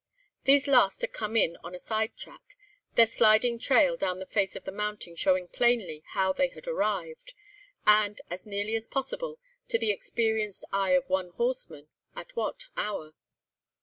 These last had come in on a side track, their sliding trail down the face of the mountain showing plainly how they had arrived, and, as nearly as possible, to the experienced eye of one horseman, at what hour.